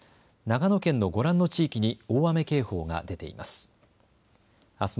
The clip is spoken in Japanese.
長野県のご覧の地域に大雨警報が出ています。